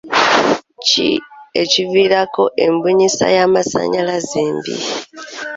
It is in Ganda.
Ki ekiviirako embunyisa y'amasannyalaze embi?